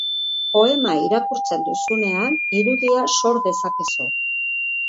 Poema irakurtzen duzunean, irudia sor dezakezu.